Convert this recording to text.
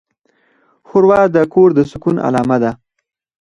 ښوروا د کور د سکون علامه ده.